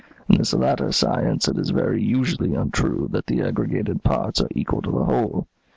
In this latter science it is very usually untrue that the aggregated parts are equal to the whole.